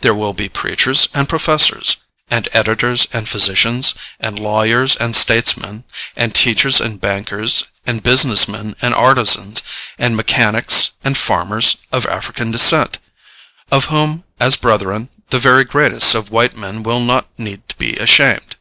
There will be preachers and professors, and editors, and physicians, and lawyers, and statesmen, and teachers, and bankers, and business men, and artisans, and mechanics and farmers, of African descent, of whom, as brethren, the very greatest of white men will not need to be ashamed.